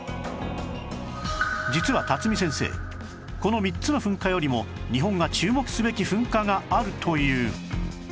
実は巽先生この３つの噴火よりも日本が注目すべき噴火があるという